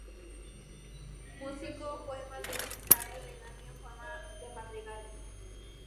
Musicó poemas de Cesare Rinaldi en forma de madrigales.